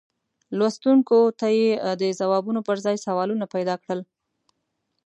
لوستونکو ته یې د ځوابونو پر ځای سوالونه پیدا کړل.